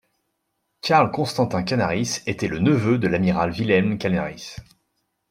Karl Constantin Canaris était le neveu de l'amiral Wilhelm Canaris.